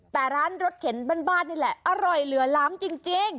แต่ร้านรถเข็นบ้านนี่แหละอร่อยเหลือล้ำจริง